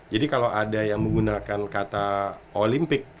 jadi kalau ada yang menggunakan kata olimpik